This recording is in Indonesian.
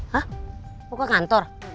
hah mau ke kantor